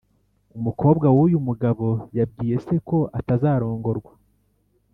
umukobwa w’uyu mugabo yabwiye se ko atazarongorwa